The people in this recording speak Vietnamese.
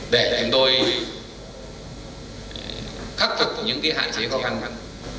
để chúng tôi khắc phục những cái hạn chế khó khăn